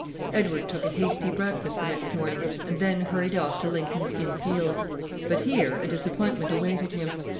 Edward took a hasty breakfast the next morning, and then hurried off to Lincoln's Inn Fields. But here a disappointment awaited him.